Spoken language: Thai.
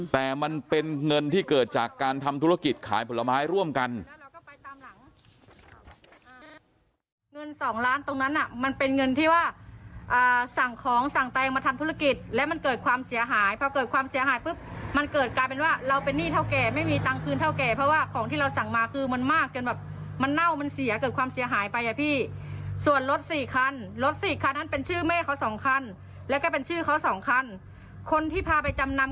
แต่มันเป็นเงินที่เกิดจากการทำธุรกิจขายผลไม้ร่วมกัน